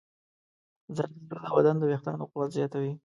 زردالو د بدن د ویښتانو قوت زیاتوي.